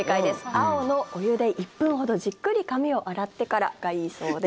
青のお湯で１分ほどじっくり髪を洗ってからがいいそうです。